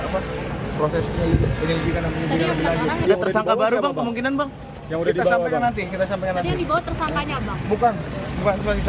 berarti tersangka tadi dihadirkan dalam prerekon bang